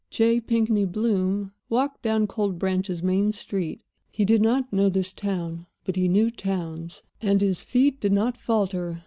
J. Pinkney Bloom walked down Cold Branch's main street. He did not know this town, but he knew towns, and his feet did not falter.